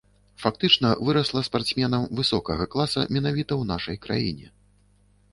Фактычна вырасла спартсменам высокага класа менавіта ў нашай краіне.